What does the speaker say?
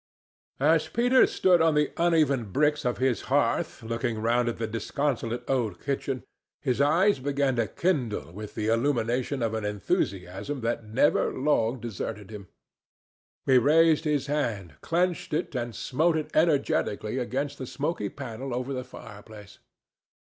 As Peter stood on the uneven bricks of his hearth looking round at the disconsolate old kitchen his eyes began to kindle with the illumination of an enthusiasm that never long deserted him. He raised his hand, clenched it and smote it energetically against the smoky panel over the fireplace.